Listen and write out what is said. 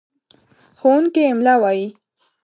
ښوونکی املا وايي.